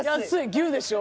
牛でしょ？